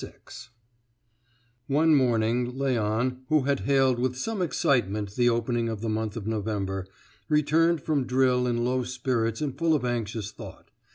VI One morning, Léon, who had hailed with some excitement the opening of the month of November, returned from drill in low spirits and full of anxious thought.